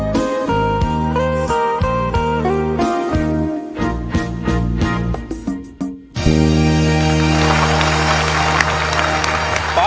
ดินเปลงที่มูลผ่าน